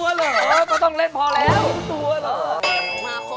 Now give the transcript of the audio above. คือสนมแพงเลยใช่มั้ยคะ